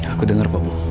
aku denger kok bu